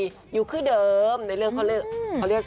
จากฝรั่ง